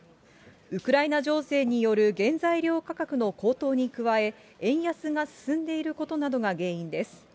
ウクライナ情勢による原材料価格の高騰に加え、円安が進んでいることなどが原因です。